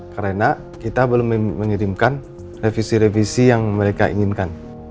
karena kita belum mengirimkan revisi revisi yang mereka inginkan